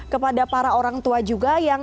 kepada para orang tua juga yang